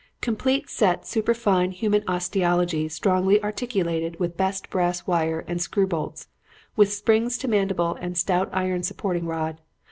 "'Complete set superfine human osteology strongly articulated with best brass wire and screw bolts, with springs to mandible and stout iron supporting rod.